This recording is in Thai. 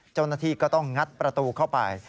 เจ้าหน้าที่ก็ต้องงัดประตูเข้าไป